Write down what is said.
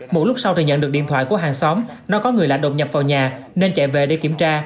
một lúc sau thì nhận được điện thoại của hàng xóm nói có người lại đột nhập vào nhà nên chạy về để kiểm tra